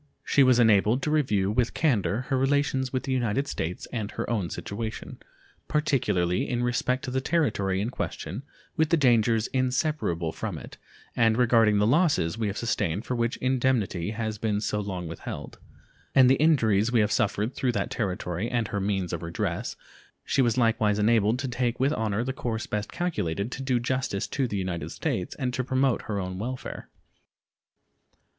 She was enabled to review with candor her relations with the United States and her own situation, particularly in respect to the territory in question, with the dangers inseparable from it, and regarding the losses we have sustained for which indemnity has been so long withheld, and the injuries we have suffered through that territory, and her means of redress, she was likewise enabled to take with honor the course best calculated to do justice to the United States and to promote her own welfare.